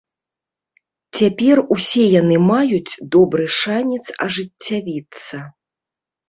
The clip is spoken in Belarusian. Цяпер усе яны маюць добры шанец ажыццявіцца.